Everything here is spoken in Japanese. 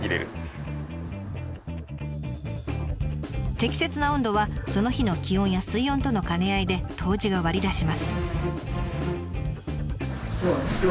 適切な温度はその日の気温や水温との兼ね合いで杜氏が割り出します。